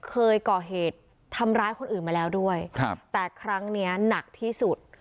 เคยก่อเหตุทำร้ายคนอื่นมาแล้วด้วยครับแต่ครั้งเนี้ยหนักที่สุด